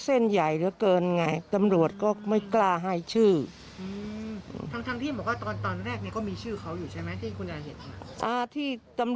ฟังความต้องฟังสองข้างใช่ไหมคะ